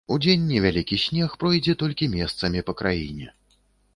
Удзень невялікі снег пройдзе толькі месцамі па краіне.